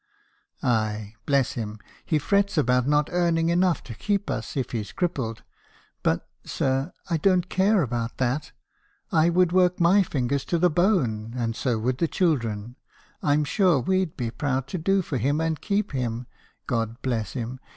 "'Aye, bless him! he frets about not earning enough to keep us, if he's crippled; but, sir, I don't care about that. I would work my fingers to the bone, and so would the chil dren; I'm sure we'd be proud to do for him, and keep him; God bless him!